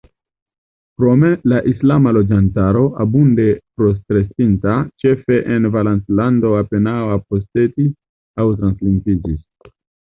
Krome, la islama loĝantaro, abunde postrestinta, ĉefe en Valencilando, apenaŭ apostatis aŭ translingviĝis.